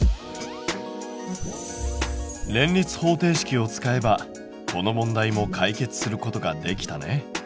連立方程式を使えばこの問題も解決することができたね。